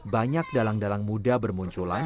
banyak dalang dalang muda bermunculan